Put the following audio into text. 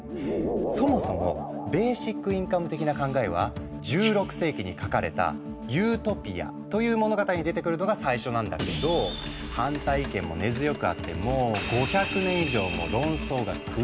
そもそもベーシックインカム的な考えは１６世紀に書かれた「ユートピア」という物語に出てくるのが最初なんだけど反対意見も根強くあってもう５００年以上も論争が繰り広げられてきたんだ。